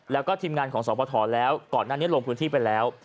แล้วก็ทีมงานของสพแล้วก่อนหน้านี้ลงพื้นที่ไปแล้ว